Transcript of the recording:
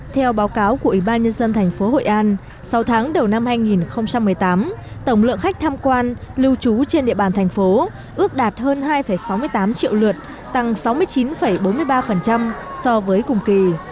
theo báo cáo của ủy ban nhân dân thành phố hội an sau tháng đầu năm hai nghìn một mươi tám tổng lượng khách tham quan lưu trú trên địa bàn thành phố ước đạt hơn hai sáu mươi tám triệu lượt tăng sáu mươi chín bốn mươi ba so với cùng kỳ